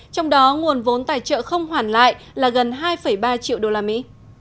trong đó nguồn vốn tài trợ không hoàn lại là gần hai ba triệu đô la mỹ